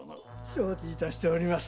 承知いたしております。